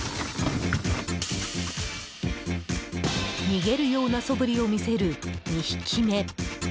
逃げるような素振りを見せる２匹目。